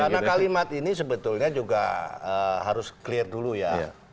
karena kalimat ini sebetulnya juga harus clear dulu ya